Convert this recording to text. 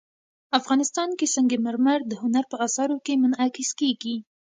افغانستان کې سنگ مرمر د هنر په اثار کې منعکس کېږي.